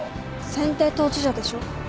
選定当事者でしょ。